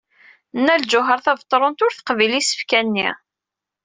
Nna Lǧuheṛ Tabetṛunt ur teqbil isefka-nni.